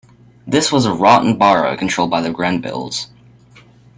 This was a rotten borough controlled by the Grenvilles.